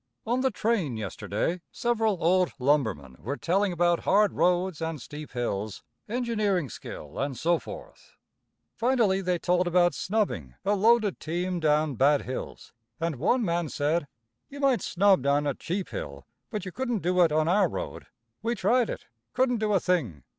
On the train, yesterday several old lumbermen were telling about hard roads and steep hills, engineering skill and so forth. Finally they told about "snubbing" a loaded team down bad hills, and one man said: "You might 'snub' down a cheap hill, but you couldn't do it on our road. We tried it. Couldn't do a thing.